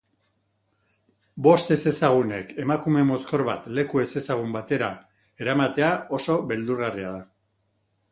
Bost ezezagunek emakume mozkor bat leku ezezagun batera eramatea oso beldurgarria da.